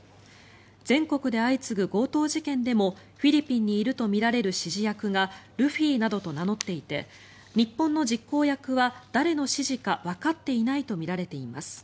全国で相次ぐ強盗事件でもフィリピンにいるとみられる指示役がルフィなどと名乗っていて日本の実行役は誰の指示かわかっていないとみられています。